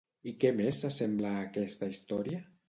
I què més s'assembla a aquesta història?